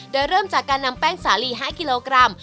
โดยเริ่มจากการนำแป้งสาลี๕กิโลกรัม